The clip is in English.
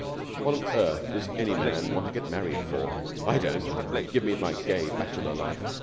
What on earth does any man want to get married for? I don't ... Give me my gay bachelor life!